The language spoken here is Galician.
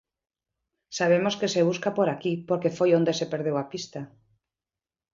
Sabemos que se busca por aquí porque foi onde se perdeu a pista.